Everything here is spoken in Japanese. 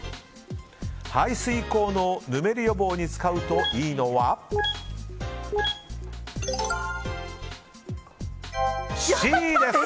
排水口のぬめり予防に使うといいのはＣです。